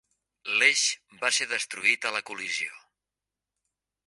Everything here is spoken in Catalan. L'eix va ser destruït a la col·lisió.